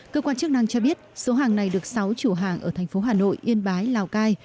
cơ quan chức năng cho biết số hàng này được sáu chủ hàng ở thành phố hà nội yên bái lào cai